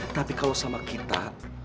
tapi kalau sama kita